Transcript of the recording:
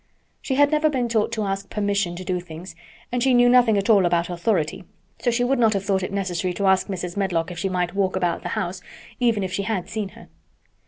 She had never been taught to ask permission to do things, and she knew nothing at all about authority, so she would not have thought it necessary to ask Mrs. Medlock if she might walk about the house, even if she had seen her.